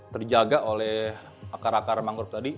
terjaga oleh akar akar mangrove tadi